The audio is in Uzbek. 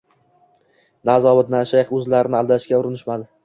Na zobit, na shayx o`zlarini aldashga urinishmasdi